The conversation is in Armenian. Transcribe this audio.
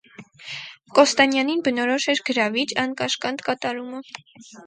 Կոստանյանին բնորոշ էր գրավիչ, անկաշկանդ կատարումը։